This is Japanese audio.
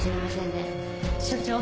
所長